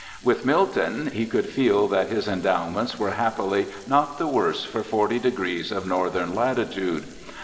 With Milton, he could feel that his endowments were happily not the worse for forty degrees of northern latitude.